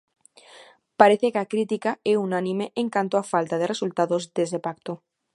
Parece que a crítica é unánime en canto a falta de resultados dese pacto.